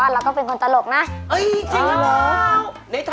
ไอ้วัสดีแมางตายไอ้วัสดี